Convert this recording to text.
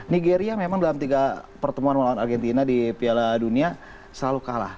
nigeria memang dalam tiga pertemuan melawan argentina di piala dunia selalu kalah